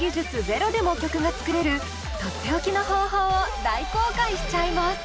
ゼロでも曲が作れる取って置きの方法を大公開しちゃいます！